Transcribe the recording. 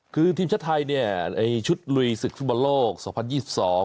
คือทีมชาติไทยเนี่ยในชุดลุยศึกฟุตบอลโลกสองพันยี่สิบสอง